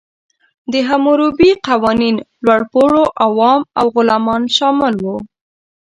د حموربي قوانین لوړپوړو، عوام او غلامان شامل وو.